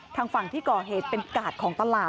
ทางฝั่งที่ก่อเหตุเป็นกาดของตลาดมหาเรื่อง